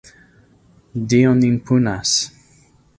Dio nin punas!